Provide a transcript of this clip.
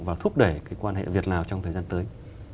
và thúc đẩy cái quan hệ việt lào trong thời gian tới